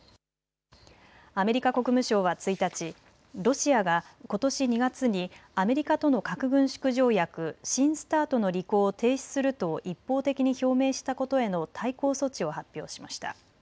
アメリカ国務省は１日、ロシアがことし２月にアメリカとの核軍縮条約、新ＳＴＡＲＴの履行を停止すると一方的に表明したことへの対抗措置を発表しました。